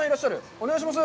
お願いします。